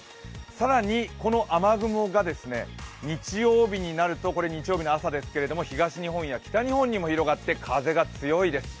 更にこの雨雲が、日曜日になるとこれ、日曜日の朝ですが東日本や北日本にも広がって、風が強いです。